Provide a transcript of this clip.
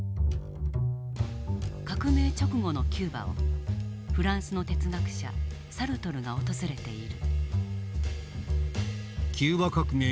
革命直後のキューバをフランスの哲学者サルトルが訪れている。